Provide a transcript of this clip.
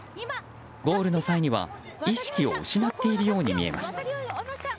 ゴールの際には意識を失っているように見えます。